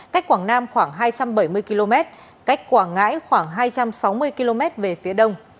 cách quảng nam khoảng hai trăm bảy mươi km cách quảng ngãi khoảng hai trăm sáu mươi km về phía đông